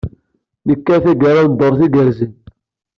Nekka tagara n dduṛt igerrzen.